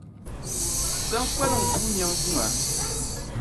Saŋkpaliŋ guui nyaŋ buŋa.